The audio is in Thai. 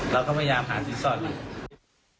เราก็พยายามหาสินสอดอยู่